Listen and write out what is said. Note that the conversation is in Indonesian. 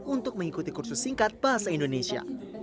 untuk mengikuti kursus singkat bahasa indonesia